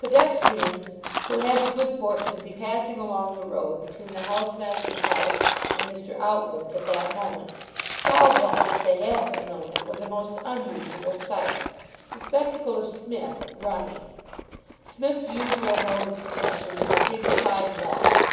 Pedestrians who had the good fortune to be passing along the road between the housemaster's house and Mr. Outwood's at that moment saw what, if they had but known it, was a most unusual sight, the spectacle of Psmith running. Psmith's usual mode of progression was a dignified walk.